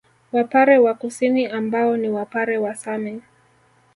Wapare wa Kusini ambao ni Wapare wa Same